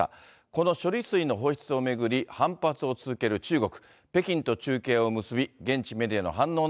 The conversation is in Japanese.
この処理水の放出を巡り、反発を続ける中国。